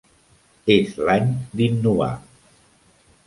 És l'any d'innovar.